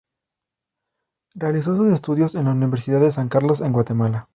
Realizó sus estudios en la Universidad de San Carlos en Guatemala.